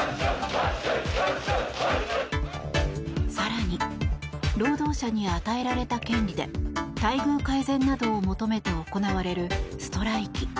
更に、労働者に与えられた権利で待遇改善などを求めて行われるストライキ。